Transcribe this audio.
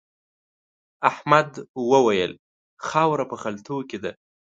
احمد وويل: خاوره په خلتو کې ده.